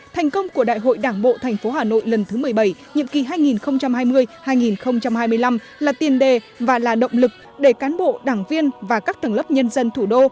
thành công của đại hội đảng bộ tp hà nội lần thứ một mươi bảy nhiệm kỳ hai nghìn hai mươi hai nghìn hai mươi năm là tiền đề và là động lực để cán bộ đảng viên và các tầng lớp nhân dân thủ đô